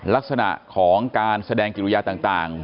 ลักษณะของการแสดงกิริยาต่าง